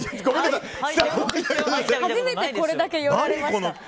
初めて、これだけ寄られました。